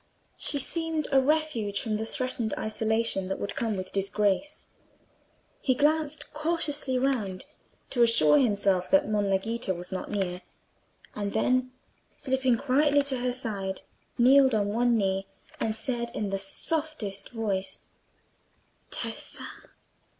She seemed a refuge from the threatened isolation that would come with disgrace. He glanced cautiously round, to assure himself that Monna Ghita was not near, and then, slipping quietly to her side, kneeled on one knee, and said, in the softest voice, "Tessa!"